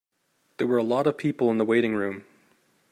There were a lot of people in the waiting room.